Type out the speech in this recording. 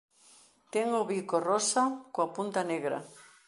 Ten o bico rosa coa punta negra.